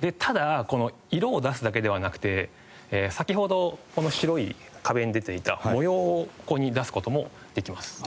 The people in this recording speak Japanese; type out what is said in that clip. でただこの色を出すだけではなくて先ほどこの白い壁に出ていた模様をここに出す事もできます。